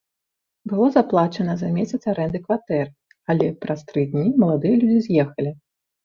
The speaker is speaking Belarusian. Было заплачана за месяц арэнды кватэры, але праз тры дні маладыя людзі з'ехалі.